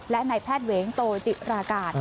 และในแพทย์เวงโตจิรากาศ